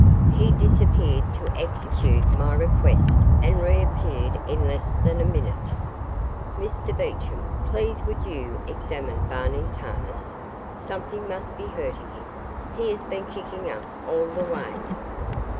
He disappeared to execute my request and reappeared in less than a minute. "Mr Beecham, please would you examine Barney's harness. Something must be hurting him. He has been kicking up all the way."